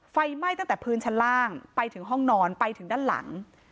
ไฟไหม้ตั้งแต่พื้นชั้นล่างไปถึงห้องนอนไปถึงด้านหลัง